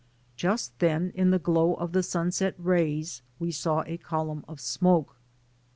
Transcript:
Just then in the glow of the sunset rays we saw a column of smoke.